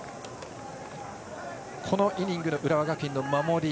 このイニングの浦和学院の守り